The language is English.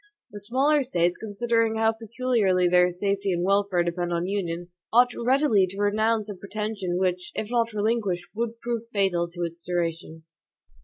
The smaller States, considering how peculiarly their safety and welfare depend on union, ought readily to renounce a pretension which, if not relinquished, would prove fatal to its duration.